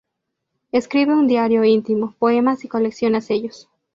Escribe un diario íntimo, poemas y colecciona sellos.